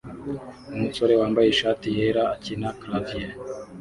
Umusore wambaye ishati yera akina clavier